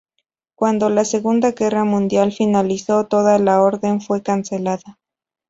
Cuando la Segunda Guerra Mundial finalizó, toda la orden fue cancelada.